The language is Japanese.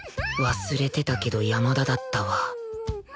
忘れてたけど山田だったわ